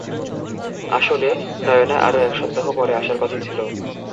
আসলে, নায়না আরো এক সপ্তাহ পরে আসার কথা ছিল।